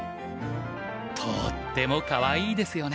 とってもかわいいですよね。